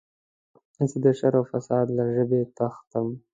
زه د شر او فساد له ژبې تښتم.